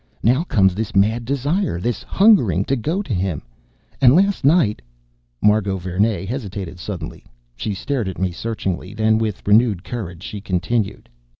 Now comes this mad desire, this hungering, to go to him. And last night "Margot Vernee hesitated suddenly. She stared at me searchingly. Then, with renewed courage, she continued.